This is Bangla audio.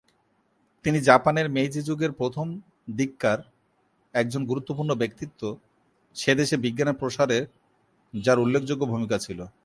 তিনি জাপানের মেইজি যুগের প্রথম দিককার একজন গুরুত্বপূর্ণ ব্যক্তিত্ব সেদেশে বিজ্ঞানের প্রসারে যার উল্লেখযোগ্য ভূমিকা ছিল।